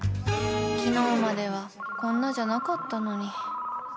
昨日まではこんなじゃなかったのに